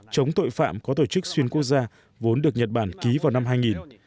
chống tội phạm có tổ chức xuyên quốc gia vốn được nhật bản ký vào năm hai nghìn